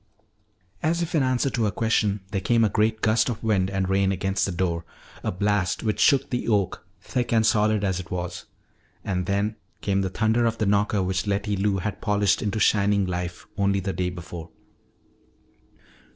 As if in answer to her question, there came a great gust of wind and rain against the door, a blast which shook the oak, thick and solid as it was. And then came the thunder of the knocker which Letty Lou had polished into shining life only the day before.